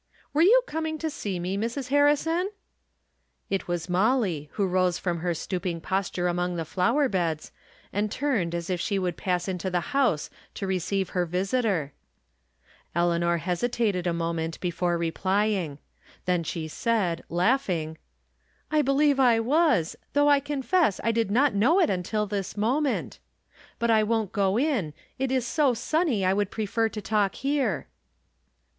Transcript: " Were you coming to see me, Mrs. Harri son?" It was MoUy, who rose from her stooping pos ture among the flower beds, and turned as if she 350 I'rom Different Standpoints. would pass into the house to receive her visitor. Eleanor hesitated a moment before replying. Then she said, laughing :" I believe I was, though I confess I did not know it until this moment. But I won't go in ; it is so sunny I would prefer to talk here."